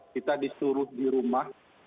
kita disuruh di rumah